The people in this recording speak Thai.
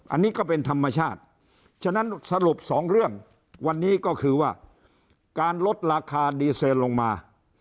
อันนี้ก็เป็นธรรมชาติฉะนั้นสรุปสองเรื่องวันนี้ก็คือว่าการลดราคาดีเซลลงมา